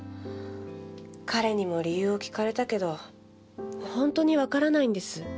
彼にも理由を聞かれたけど本当にわからないんです。